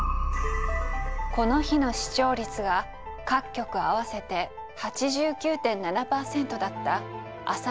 この日の視聴率が各局合わせて８９．７％だったあさま山荘事件。